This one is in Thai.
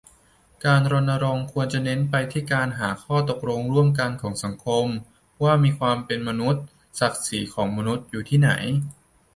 การรณรงค์ควรจะเน้นไปที่การหาข้อตกลงร่วมกันของสังคมว่าความเป็นมนุษย์ ศักดิ์ศรีของมนุษย์อยู่ที่ไหน